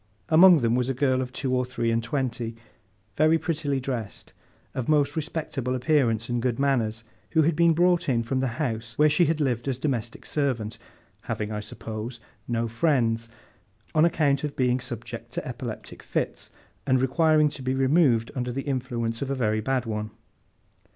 Among them was a girl of two or three and twenty, very prettily dressed, of most respectable appearance and good manners, who had been brought in from the house where she had lived as domestic servant (having, I suppose, no friends), on account of being subject to epileptic fits, and requiring to be removed under the influence of a very bad one.